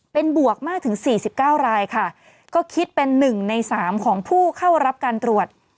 เป็นบวกมากถึงสี่สิบเก้ารายค่ะก็คิดเป็นหนึ่งในสามของผู้เข้ารับการตรวจ